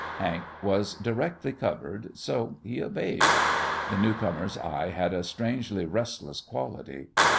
Hank was directly covered, so he obeyed. The new comer's eye had a strangely restless quality.